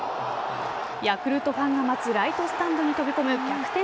ヤクルトファンが待つライトスタンドに飛び込む逆転